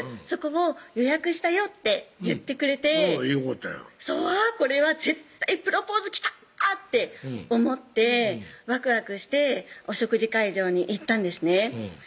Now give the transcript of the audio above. そこを「予約したよ」って言ってくれてよかったやんそうこれは絶対プロポーズ来たって思ってワクワクしてお食事会場に行ったんですね